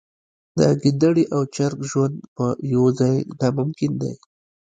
د ګیدړې او چرګ ژوند په یوه ځای ناممکن دی.